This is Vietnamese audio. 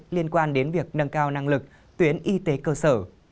liên quan đến việc nâng cao năng lực tuyến y tế cơ sở